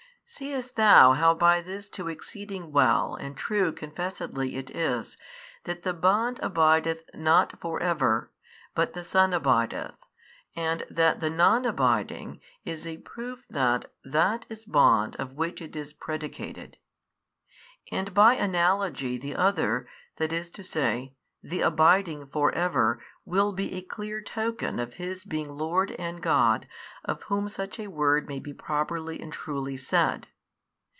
Seest thou how by this too exceeding well and true confessedly it is that the bond abideth not for ever but the Son abideth and that the non abiding is a proof that that is |631 bond of which it is predicated? And by analogy the other, i. e., the abiding for ever will be a clear token of His being Lord and God of whom such a word may be properly and truly said.